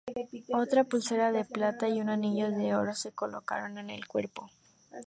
Otra pulsera de plata y un anillo de oro se colocaron con el cuerpo.